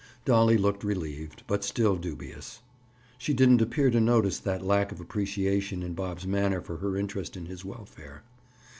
Dolly looked relieved, but still slightly dubious. She didn't appear to notice that lack of appreciation in Bob's manner for her interest in his welfare.